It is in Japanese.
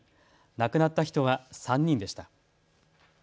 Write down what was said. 亡くなった人は３人でした。